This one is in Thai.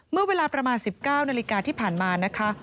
เมื่อเวลาประมาณ๑๙นาฬิกาที่ผ่านมานะคะ